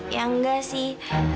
ya enggak sih